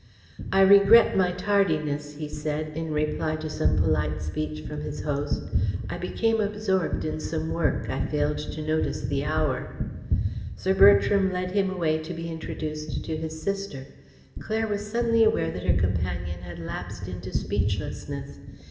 "I regret my tardiness," he said, in reply to some polite speech from his host. "I became absorbed in some work. I failed to notice the hour." Sir Bertram led him away to be introduced to his sister. Claire was suddenly aware that her companion had lapsed into speechlessness.